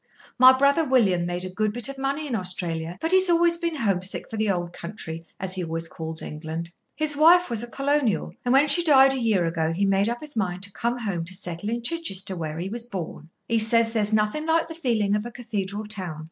My brother William made a good bit of money in Australia, but he has always been homesick for the old country, as he always calls England. His wife was a Colonial, and when she died a year ago he made up his mind to come home to settle in Chichester, where he was born. He says there's nothing like the feeling of a Cathedral town.